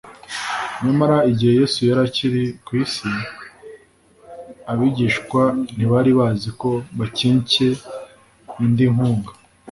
Nyamara igihe Yesu yari akiri ku isi, abigishwa ntibari bazi ko bakencye indi nkunga.